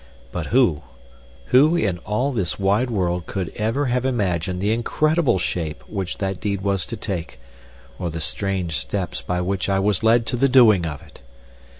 But who who in all this wide world could ever have imagined the incredible shape which that deed was to take, or the strange steps by which I was led to the doing of it?